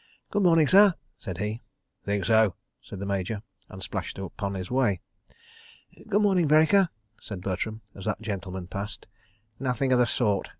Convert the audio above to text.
"Good morning, sir," said he. "Think so?" said the Major, and splashed upon his way. "Good morning, Vereker," said Bertram, as that gentleman passed. "Nothing of the sort.